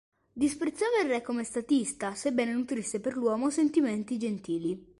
Disprezzava il re come statista, sebbene nutrisse per l'uomo sentimenti gentili.